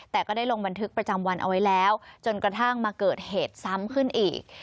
แต่ก็ได้ลงบันทึกประจำวันเอาไว้แล้วจนกระทั่งมาเกิดเหตุซ้ำขึ้นอีก